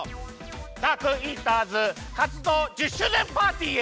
ダークイーターズかつどう１０周年パーティーへ！